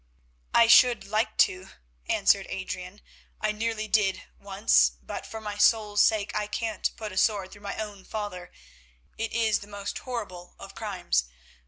"I should like to," answered Adrian; "I nearly did once, but, for my soul's sake, I can't put a sword through my own father; it is the most horrible of crimes.